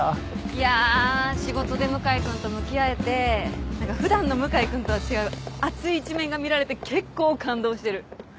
いや仕事で向井君と向き合えて普段の向井君とは違う熱い一面が見られて結構感動してる！